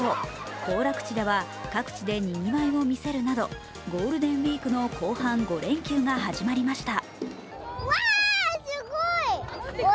行楽地では各地でにぎわいを見せるなどゴールデンウイークの後半５連休が始まりました。